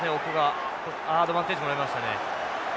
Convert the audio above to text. アドバンテージもらいましたね